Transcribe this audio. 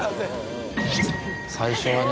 最初はね。